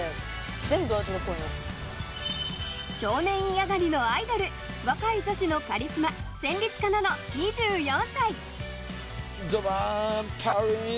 少年院上がりのアイドル若い女子のカリスマ戦慄かなの、２４歳。